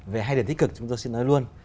về hai điểm tích cực chúng tôi xin nói luôn